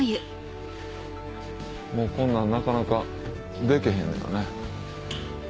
もうこんなんなかなかでけへんよね。